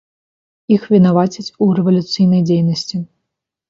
Іх вінавацяць у рэвалюцыйнай дзейнасці.